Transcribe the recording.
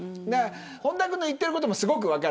本田君の言っていることもすごく分かる。